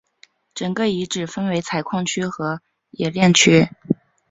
整个遗址分为采矿区和冶炼区。